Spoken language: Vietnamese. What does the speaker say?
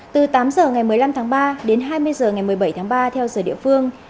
từ tám h ngày một mươi năm tháng ba đến hai mươi h ngày một mươi bảy tháng ba theo giờ địa phương